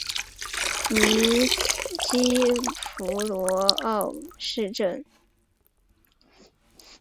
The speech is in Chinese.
尼基福罗沃市镇是俄罗斯联邦沃洛格达州乌斯秋日纳区所属的一个市镇。